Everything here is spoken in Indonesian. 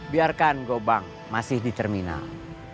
biarkan gobang masih di terminal